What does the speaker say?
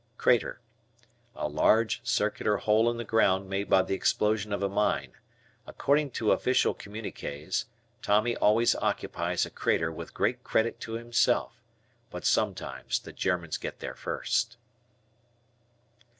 Crater. A large circular hole in the ground made by the explosion of a mine. According to Official Communiques, Tommy always occupies a crater with great credit to himself. But sometimes the Germans get there first.